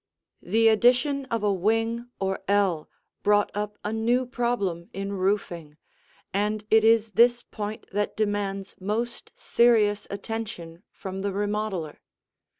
The addition of a wing or ell brought up a new problem in roofing, and it is this point that demands most serious attention from the remodeler.